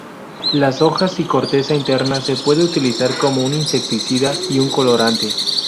Las hojas y corteza interna se puede utilizar como un insecticida y un colorante.